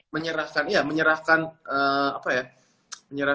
menyerahkan ya menyerahkan apa ya